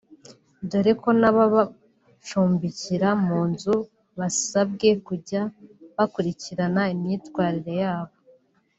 dore ko n’ababacumbikira mu nzu basabwe kujya bakurikirana imyitwarire yabo